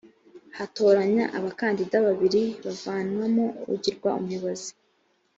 hatoranya abakandida babiri bavanwamo ugirwa umuyobozi.